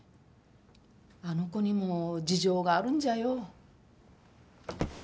あの子にも事情があるんじゃよ。